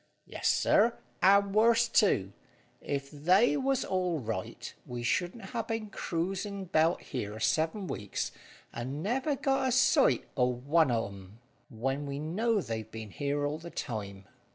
"Yes, sir, and worse too. If they was all right, we shouldn't ha' been cruising 'bout here seven weeks, and never got a sight o' one of 'em, when we know they've been here all the time."